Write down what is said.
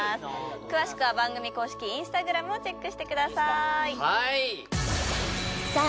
詳しくは番組公式インスタグラムをチェックしてくださいさあ